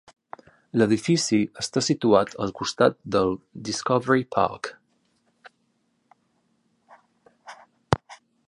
L'edifici està situat al costat del Discovery Park.